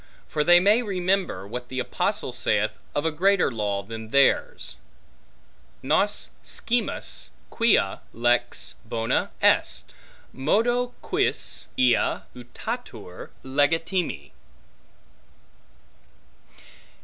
For they may remember, what the apostle saith of a greater law than theirs; Nos scimus quia lex bona est, modo quis ea utatur legitime.